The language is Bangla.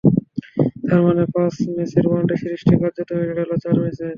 তার মানে পাঁচ ম্যাচের ওয়ানডে সিরিজটি কার্যত হয়ে দাঁড়াল চার ম্যাচের।